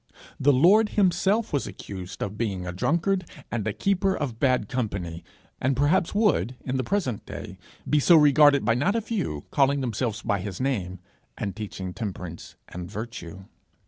The Lord himself was accused of being a drunkard and a keeper of bad company and perhaps would in the present day be so regarded by not a few calling themselves by his name, and teaching temperance and virtue.